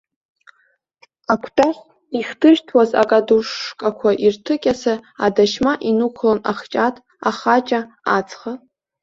Акәтаӷь, ихдыршәҭуаз акадушкақәа ирҭыкьаса адашьма инықәлон ахҷаҭ, ахаҷа, ацха.